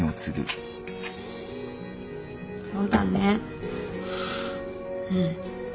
そうだねうん。